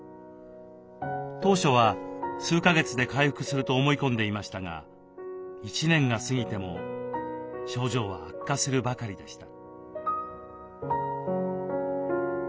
当初は数か月で回復すると思い込んでいましたが１年が過ぎても症状は悪化するばかりでした。